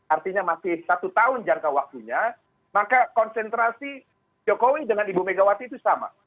artinya masih satu tahun jangka waktunya maka konsentrasi jokowi dengan ibu megawati itu sama